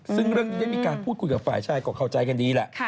ซึ่งเรื่องนี้ได้มีการพูดคุยกับฝ่ายชายก็เข้าใจกันดีแหละ